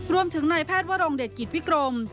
รวมถึงนายแพทย์วรงเดชกิจวิกรม